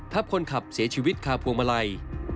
คนขับเสียชีวิตคาพวงมาลัย